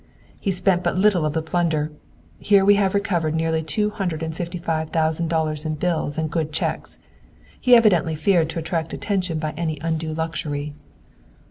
"He spent but little of the plunder! Here we have recovered nearly two hundred and fifty five thousand dollars in bills and good cheques! He evidently feared to attract attention by any undue luxury."